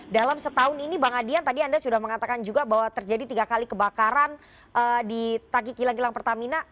dalam setahun ini bang adian tadi anda sudah mengatakan juga bahwa terjadi tiga kali kebakaran di kaki kilang kilang pertamina